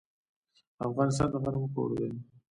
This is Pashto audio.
افغانستان د غنمو کور دی.